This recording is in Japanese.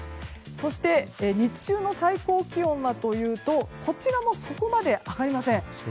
そして日中の最高気温はというとこちらもそこまで上がりません。